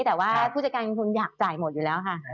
แต่ว่าผู้จัดการคุณอยากจ่ายหมดอยู่แล้วค่ะ